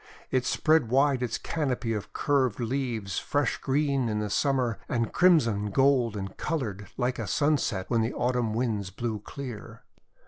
It spread wide its canopy of curved leaves, fresh green in Summer, and crimson, gold, and coloured like a sunset when the Autumn Winds blew clear.